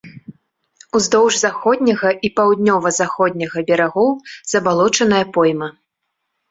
Уздоўж заходняга і паўднёва-заходняга берагоў забалочаная пойма.